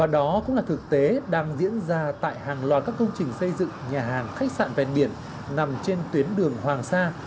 đó cũng là thực tế đang diễn ra tại hàng loạt các công trình xây dựng nhà hàng khách sạn ven biển nằm trên tuyến đường hoàng sa